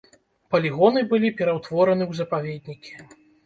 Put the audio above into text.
Палігоны былі пераўтвораны ў запаведнікі.